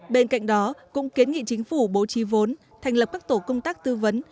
bên cạnh đó cũng kiến nghị chính phủ bố trí vốn thành lập các tổ công tác tư vấn